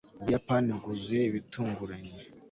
ubuyapani bwuzuye ibitunguranye